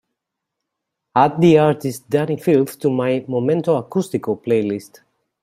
add the artist dani filth to my momento acústico playlist